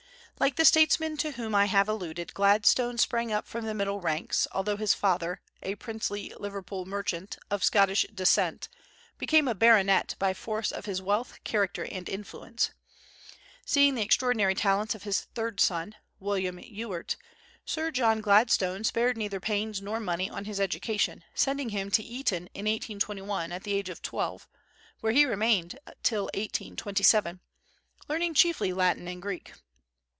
Like the statesmen to whom I have alluded, Gladstone sprang from the middle ranks, although his father, a princely Liverpool merchant, of Scotch descent, became a baronet by force of his wealth, character, and influence. Seeing the extraordinary talents of his third son, William Ewart, Sir John Gladstone spared neither pains nor money on his education, sending him to Eton in 1821, at the age of twelve, where he remained till 1827, learning chiefly Latin and Greek.